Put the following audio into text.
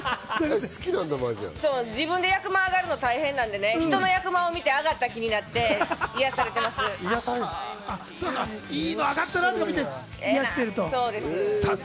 自分で役満上がるの大変なんで、人の役満みて上がった気になって癒やされてます。